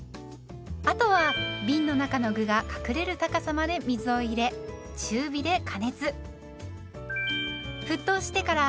あとはびんの中の具が隠れる高さまで水を入れ中火で加熱。